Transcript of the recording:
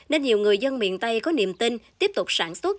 nên nhiều người dân miền tây có niềm tin tiếp tục sản xuất